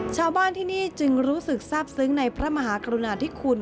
ชาวบ้านที่นี่จึงรู้สึกทราบซึ้งในพระมหากรุณาธิคุณ